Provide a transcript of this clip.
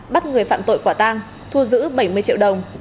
bắt người phạm tội quả tang thu giữ bảy mươi triệu đồng